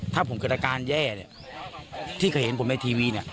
ถ้ากินการแย่เที่ยวเขาเห็นผมในทีวีเนี่ย